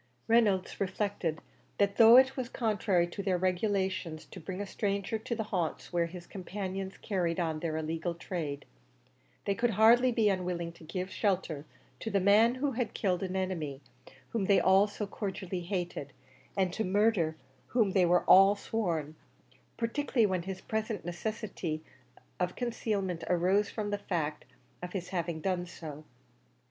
Reynolds reflected that though it was contrary to their regulations to bring a stranger to the haunts where his companions carried on their illegal trade, they could hardly be unwilling to give shelter to the man who had killed the enemy whom they all so cordially hated, and to murder whom they were all sworn; particularly when his present necessity of concealment arose from the fact of his having done so.